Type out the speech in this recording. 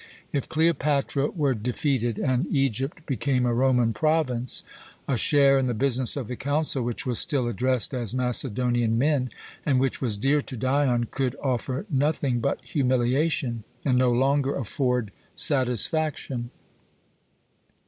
If Cleopatra were defeated, and Egypt became a Roman province, a share in the business of the council, which was still addressed as "Macedonian men," and which was dear to Dion, could offer nothing but humiliation, and no longer afford satisfaction.